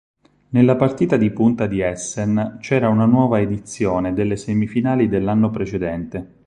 Nella partita di punta di Essen c'era una nuova edizione delle semifinali dell'anno precedente.